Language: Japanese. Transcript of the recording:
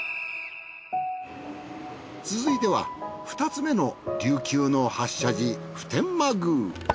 続いては２つめの琉球の８社寺普天満宮。